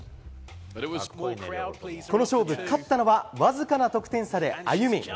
この勝負勝ったのはわずかな得点差で、あゆみ。